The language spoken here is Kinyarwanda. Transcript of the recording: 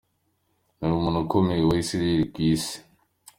Yari umuntu ukomeye wa Israel n’uw’Isi.